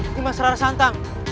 ini mas larasantang